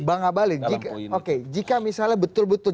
bang abalit jika misalnya betul betul